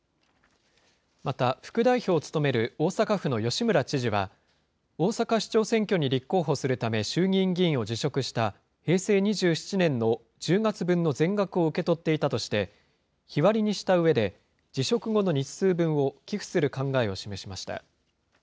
また、副代表を務める大阪府の吉村知事は、大阪市長選挙に立候補するため、衆議院議員を辞職した、平成２７年の１０月分の全額を受け取っていたとして、日割りにしたうえで、辞職後の日数分を寄付する考えを示しました。